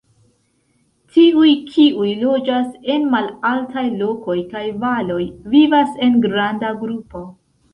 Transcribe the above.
Tiuj, kiuj loĝas en malaltaj lokoj kaj valoj, vivas en granda grupo.